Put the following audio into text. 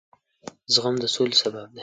زغم د سولې سبب دی.